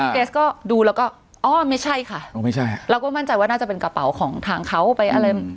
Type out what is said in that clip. เกรสก็ดูแล้วก็อ้อไม่ใช่ค่ะไม่ใช่ค่ะเราก็มั่นใจว่าน่าจะเป็นกระเป๋าของทางเขาไปอะไร